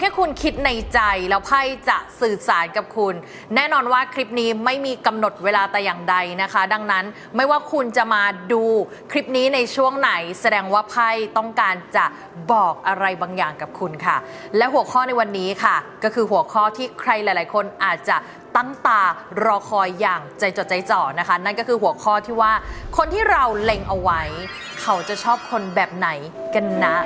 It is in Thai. ถ้าคุณคิดในใจแล้วไพ่จะสื่อสารกับคุณแน่นอนว่าคลิปนี้ไม่มีกำหนดเวลาแต่อย่างใดนะคะดังนั้นไม่ว่าคุณจะมาดูคลิปนี้ในช่วงไหนแสดงว่าไพ่ต้องการจะบอกอะไรบางอย่างกับคุณค่ะและหัวข้อในวันนี้ค่ะก็คือหัวข้อที่ใครหลายคนอาจจะตั้งตารอคอยอย่างใจจดใจจ่อนะคะนั่นก็คือหัวข้อที่ว่าคนที่เราเล็งเอาไว้เขาจะชอบคนแบบไหนกันนะ